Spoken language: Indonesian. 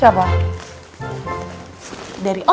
ini kan muka dari ibu